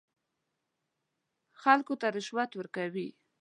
خلکو ته رشوت ورکوي.